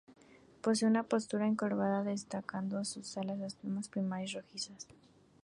Posee una postura encorvada, destacando en sus alas las plumas primarias rojizas.